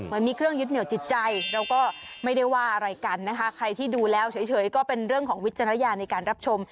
เหมือนมีเครื่องยึดเหนียวจิตใจเราก็ไม่ได้ว่าอะไรกันนะคะใครที่ดูแล้วเฉยก็เป็นเรื่องของวิจารณญาณในการรับชม